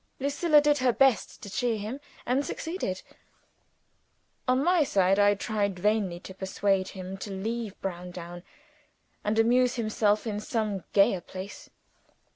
Lucilla did her best to cheer him, and succeeded. On my side, I tried vainly to persuade him to leave Browndown and amuse himself in some gayer place.